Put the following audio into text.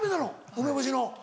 梅干しの。